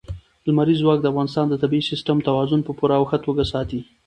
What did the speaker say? لمریز ځواک د افغانستان د طبعي سیسټم توازن په پوره او ښه توګه ساتي.